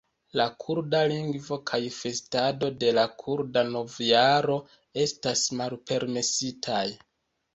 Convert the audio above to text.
La kurda lingvo kaj festado de la kurda novjaro estas malpermesitaj.